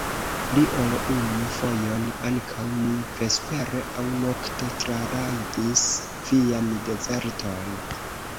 Pli ol unu fojon ankaŭ mi vespere aŭ nokte trarajdis vian dezerton!